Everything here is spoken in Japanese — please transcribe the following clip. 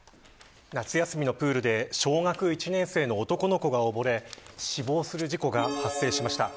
夏休みのプールで小学１年生の男の子が溺れ死亡する事故が発生しました。